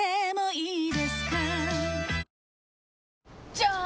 じゃーん！